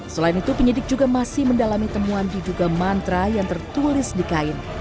selain itu penyidik juga masih mendalami temuan diduga mantra yang tertulis di kain